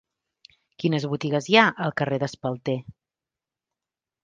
Quines botigues hi ha al carrer d'Espalter?